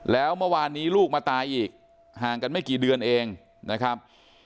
แล้วเมื่อวานนี้ลูกมาตายอีกห่างกันไม่กี่เดือนเองนะครับ